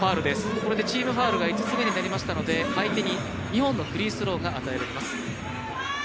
これでチームファウルが５つ目になりましたので相手に２本のフリースローが与えられます。